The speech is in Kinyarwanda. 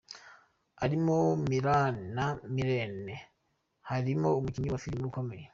arimo Milan na Milen, harimo umukinnyi wa filime ukomeye